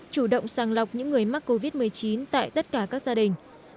chủ động sàng lọc những người mắc covid một mươi chín tại tất cả các gia đình